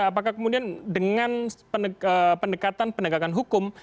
apakah kemudian dengan pendekatan pendekatan hukum